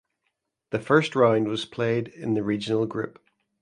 The first round was played in the regional group.